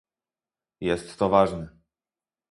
Jest to ważne